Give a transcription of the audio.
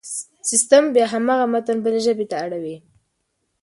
سيستم بيا هماغه متن بلې ژبې ته اړوي.